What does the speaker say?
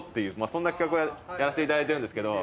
そんな企画をやらせていただいてるんですけど。